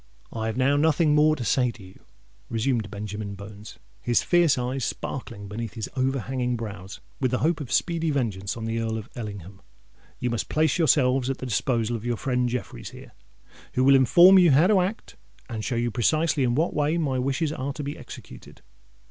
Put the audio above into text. "I have now nothing more to say to you," resumed Benjamin Bones, his fierce eyes sparkling beneath his overhanging brows with the hope of speedy vengeance on the Earl of Ellingham. "You must place yourselves at the disposal of your friend Jeffreys here, who will inform you how to act and show you precisely in what way my wishes are to be executed.